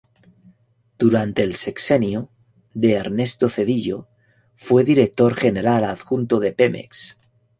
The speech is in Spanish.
Durante el sexenio de Ernesto Zedillo fue director general adjunto de Pemex.